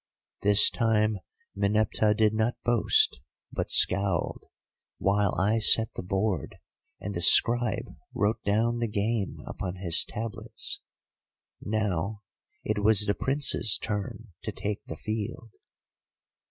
This time Meneptah did not boast but scowled, while I set the board and the scribe wrote down the game upon his tablets. Now it was the Prince's turn to take the field.